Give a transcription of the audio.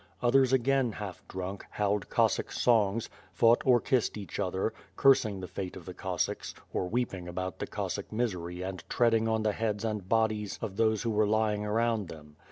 Others again half drunk, howled Cossack songs, fought or kissed each other, cursing the fate of the Cossacks, or weeping about the Cossack misery and treading on the heads and bodies of those who were lying around them.